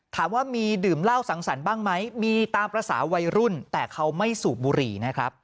ถามว่ามีดื่มเหล้าสังสรรค์บ้างไหมมีตามภาษาวัยรุ่นแต่เขาไม่สูบบุหรี่นะครับ